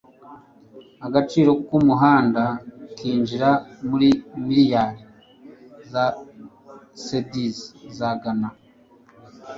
agaciro k'umuhanda kinjira muri miliyari za cedis za Gana .